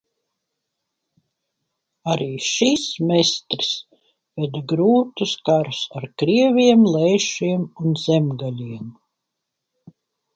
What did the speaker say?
Arī šis mestris veda grūtus karus ar krieviem, leišiem un zemgaļiem.